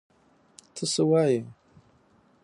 ته څه وایې!؟